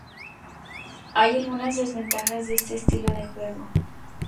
Hay algunas desventajas de este estilo de juego.